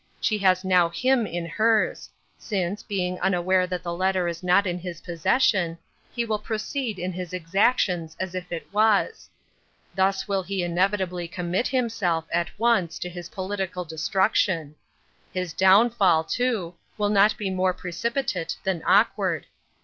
She has now him in hers—since, being unaware that the letter is not in his possession, he will proceed with his exactions as if it was. Thus will he inevitably commit himself, at once, to his political destruction. His downfall, too, will not be more precipitate than awkward.